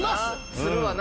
するわな。